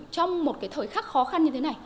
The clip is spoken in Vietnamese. trong một cái thời khắc khó khăn như thế này